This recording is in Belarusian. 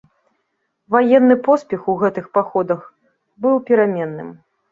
Ваенны поспех у гэтых паходах быў пераменным.